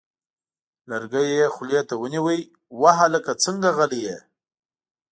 لرګی یې خولې ته ونیوه: وه هلکه څنګه غلی یې!؟